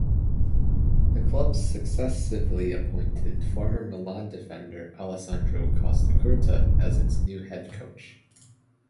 The club successively appointed former Milan defender Alessandro Costacurta as its new head coach.